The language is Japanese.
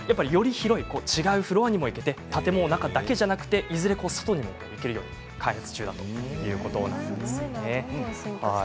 違うフロアにも行けて建物の中だけじゃなくていずれ外にも出るロボットを開発中ということでした。